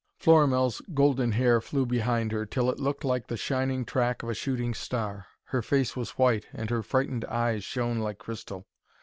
Florimell's golden hair flew behind her, till it looked like the shining track of a shooting star. Her face was white, and her frightened eyes shone like crystal.